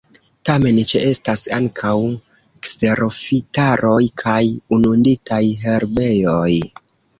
Tamen ĉeestas ankaŭ kserofitaroj kaj inunditaj herbejoj.